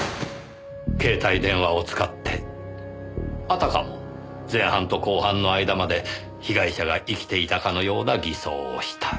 携帯電話を使ってあたかも前半と後半の間まで被害者が生きていたかのような偽装をした。